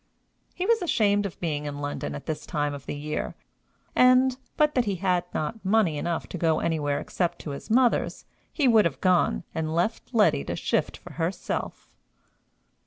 He was ashamed of being in London at this time of the year, and, but that he had not money enough to go anywhere except to his mother's, he would have gone, and left Letty to shift for herself.